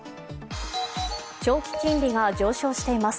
長期金利が上昇しています。